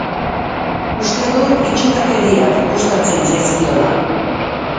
Uste dut itxurakeriak gustatzen zaizkiola.